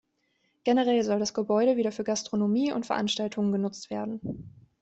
Generell soll das Gebäude wieder für Gastronomie und Veranstaltungen genutzt werden.